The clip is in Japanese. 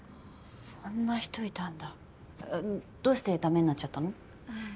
そんな人いたんだどうしてダメになっちゃったの？